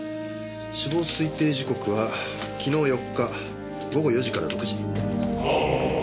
死亡推定時刻は昨日４日午後４時から６時。